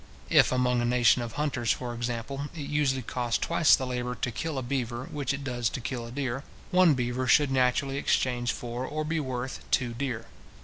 If among a nation of hunters, for example, it usually costs twice the labour to kill a beaver which it does to kill a deer, one beaver should naturally exchange for or be worth two deer.